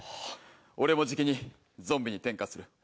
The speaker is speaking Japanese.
俺もじきにゾンビに転化する。